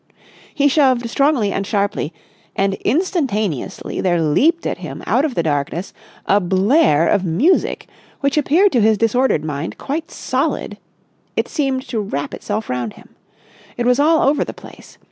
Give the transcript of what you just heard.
He shoved strongly and sharply, and instantaneously there leaped at him out of the darkness a blare of music which appeared to his disordered mind quite solid. It seemed to wrap itself round him. It was all over the place.